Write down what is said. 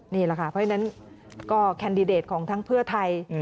นี่แหละค่ะเพราะฉะนั้นก็แคนดิเดตของทั้งเพื่อไทย